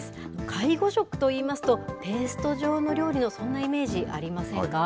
介護食といいますと、ペースト状の料理の、そんなイメージありませんか？